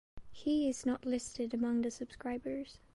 He is not listed amongst the subscribers.